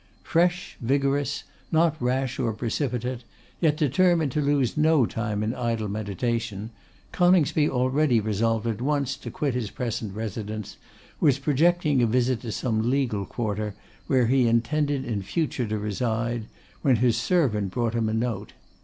Fresh, vigorous, not rash or precipitate, yet determined to lose no time in idle meditation, Coningsby already resolved at once to quit his present residence, was projecting a visit to some legal quarter, where he intended in future to reside, when his servant brought him a note.